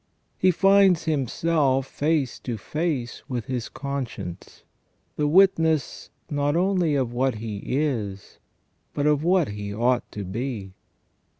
He finds himself face to face with his conscience, the witness not only of what he is, but of what he ought to be.